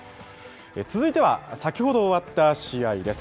続いては先ほど終わった試合です。